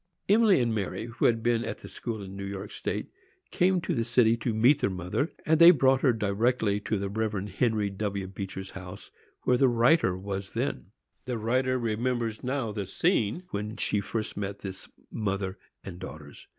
Emily and Mary, who had been at school in New York State, came to the city to meet their mother, and they brought her directly to the Rev. Henry W. Beecher's house, where the writer then was. The writer remembers now the scene when she first met this mother and daughters.